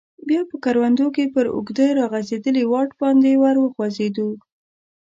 بیا په کروندو کې پر اوږده راغځیدلي واټ باندې ور وخوځیدو.